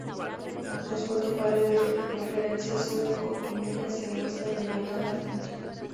Los cuatro pares de preferencias o dicotomías se muestran en la tabla adjunta.